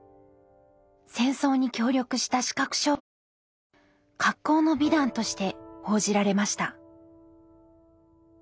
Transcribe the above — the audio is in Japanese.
戦争に協力した視覚障害者は格好の美談として報じられました。